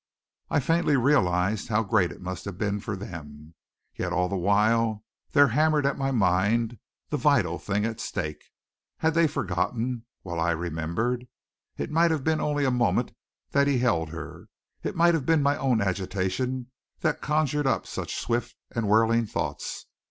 I faintly realized how great it must have been for them, yet all the while there hammered at my mind the vital thing at stake. Had they forgotten, while I remembered? It might have been only a moment that he held her. It might have been my own agitation that conjured up such swift and whirling thoughts.